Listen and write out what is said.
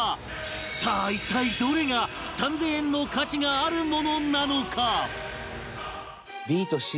さあ一体どれが３０００円の価値があるものなのか？